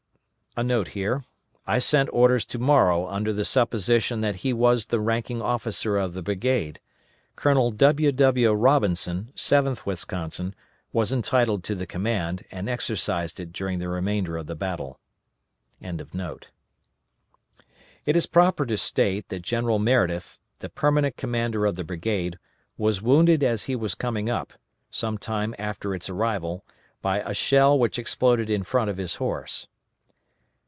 [* I sent orders to Morrow under the supposition that he was the ranking officer of the brigade. Colonel W. W. Robinson, 7th Wisconsin, was entitled to the command, and exercised it during the remainder of the battle.] It is proper to state that General Meredith, the permanent commander of the brigade, was wounded as he was coming up, some time after its arrival, by a shell which exploded in front of his horse.